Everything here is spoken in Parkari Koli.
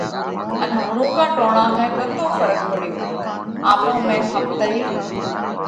ان همڻُوڪا ٽوڻا ۾ ڪتو ڦرق پڙيوه؟ آپون ۾ ۿپتئِي